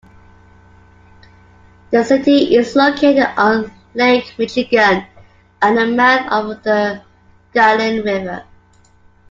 The city is located on Lake Michigan at the mouth of the Galien River.